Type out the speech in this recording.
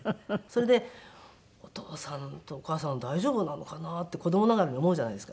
それでお父さんとお母さんは大丈夫なのかな？って子どもながらに思うじゃないですか。